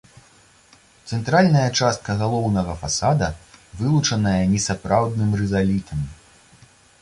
Цэнтральная частка галоўнага фасада вылучаная несапраўдным рызалітам.